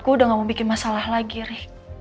gue udah nggak mau bikin masalah lagi rik